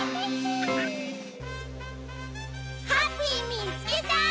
ハッピーみつけた！